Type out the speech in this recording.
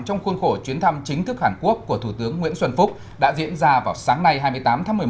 trong khuôn khổ chuyến thăm chính thức hàn quốc của thủ tướng nguyễn xuân phúc đã diễn ra vào sáng nay hai mươi tám tháng một mươi một